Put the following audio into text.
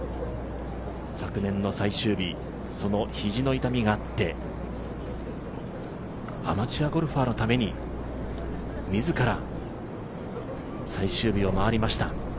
昨年の最終日、肘の痛みがあってアマチュアゴルファーのために自ら最終日を回りました。